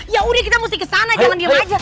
ya udah kita mesti kesana jangan diem aja